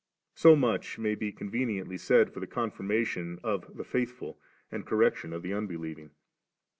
So much may be conveniently said for confirmation of the faith ful, and correction of the unbelieving.